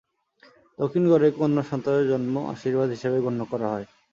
দক্ষিণগড়ে কন্যা সন্তানের জন্ম আশীর্বাদ হিসাবে গণ্য করা হয়।